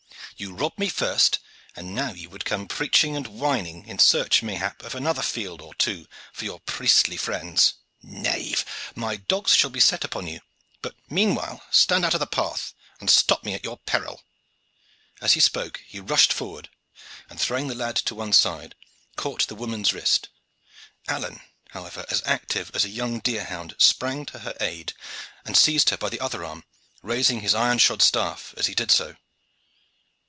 You rob me first, and now you would come preaching and whining, in search mayhap of another field or two for your priestly friends. Knave! my dogs shall be set upon you; but, meanwhile, stand out of my path, and stop me at your peril!" As he spoke he rushed forward, and, throwing the lad to one side, caught the woman's wrist. Alleyne, however, as active as a young deer hound, sprang to her aid and seized her by the other arm, raising his iron shod staff as he did so.